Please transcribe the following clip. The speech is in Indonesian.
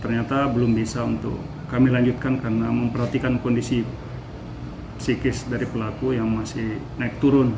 ternyata belum bisa untuk kami lanjutkan karena memperhatikan kondisi psikis dari pelaku yang masih naik turun